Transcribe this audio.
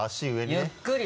ゆっくり！